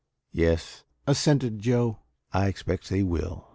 "Yes," assented Joe, "I expects they will.